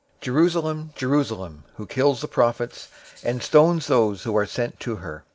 023:037 "Jerusalem, Jerusalem, who kills the prophets, and stones those who are sent to her!